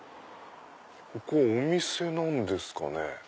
ここお店なんですかね。